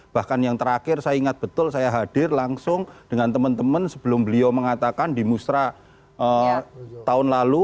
bahkan yang terakhir saya ingat betul saya hadir langsung dengan teman teman sebelum beliau mengatakan di musra tahun lalu